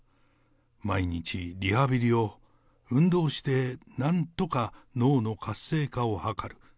毎日リハビリを、運動して、なんとか脳の活性化を図る。